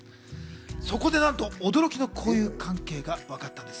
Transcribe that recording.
そこでなんと驚きの交友関係がわかったんです。